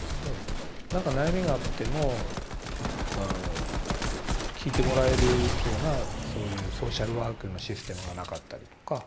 なんか悩みがあっても聞いてもらえるようなそういうソーシャルワークのシステムがなかったりとか。